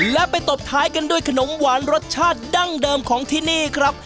และไปตบท้ายกันด้วยขนมหวานรสชาติดั้งเดิมของที่นี่ครับ